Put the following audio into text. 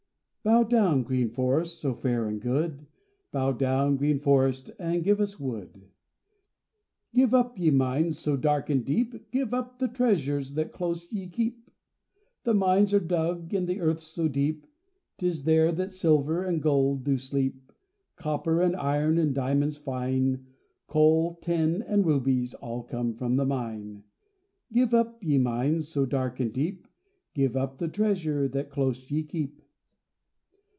Bow down, green Forest, so fair and good, Bow down, green Forest, and give us wood! Give up, ye Mines, so dark and deep, Give up the treasure that close ye keep! The mines are dug In the earth so deep, 'Tis there that silver And gold do sleep. Copper and iron, And diamonds fine, Coal, tin and rubies, All come from the mine, Give up, ye Mines, so dark and deep, Give up the treasure that close ye keep!